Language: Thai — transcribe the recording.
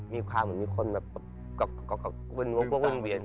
มีความเหมือนมีคนเกาะกวนเวียน